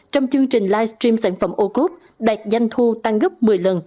trong chương trình live stream sản phẩm o coop đạt danh thu tăng gấp một mươi lần